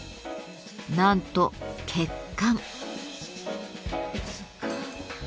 なんと血管。